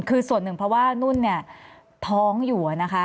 คือส่วนหนึ่งเพราะว่านุ่นเนี่ยท้องอยู่นะคะ